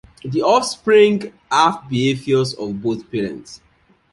These offspring have behaviors of both parents.